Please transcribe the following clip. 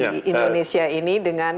di indonesia ini dengan